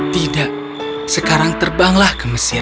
tidak sekarang terbanglah ke mesir